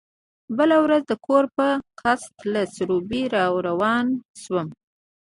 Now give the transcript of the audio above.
بله ورځ د کور په قصد له سروبي را روان شوم.